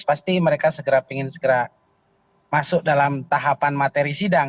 pasti mereka segera ingin segera masuk dalam tahapan materi sidang